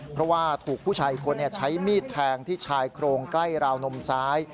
เพราะว่าถูกผู้ชายอีกคนใช้มีดแทงที่ชายโครงใกล้ราวนมซ้าย